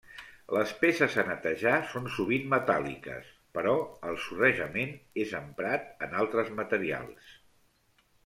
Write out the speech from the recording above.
Les peces a netejar són sovint metàl·liques però el sorrejament és emprat en altres materials.